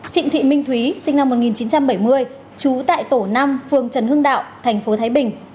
trịnh thị minh thúy sinh năm một nghìn chín trăm bảy mươi trú tại tổ năm phường trần hương đạo tp thái bình